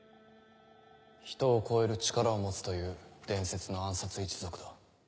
人を超える力を持つという伝説の暗殺一族だ。